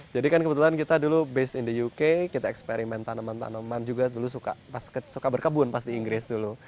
jadi kan kebetulan kita dulu based in the uk kita eksperimen tanaman tanaman juga dulu suka berkebun pas di inggris dulu